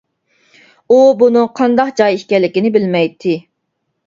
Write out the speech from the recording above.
ئۇ بۇنىڭ قانداق جاي ئىكەنلىكىنى بىلمەيتتى.